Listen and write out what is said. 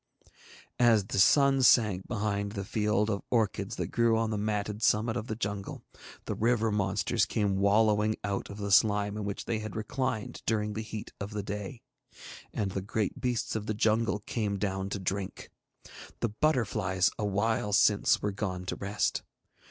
As the sun sank behind the field of orchids that grew on the matted summit of the jungle, the river monsters came wallowing out of the slime in which they had reclined during the heat of the day, and the great beasts of the jungle came down to drink. The butterflies a while since were gone to rest.